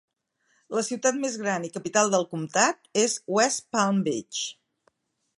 La ciutat més gran i capital del comtat és West Palm Beach.